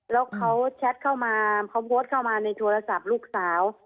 แล้วเขาแชทเข้ามาเขาโพสต์เข้ามาในโทรศัพท์ลูกสาว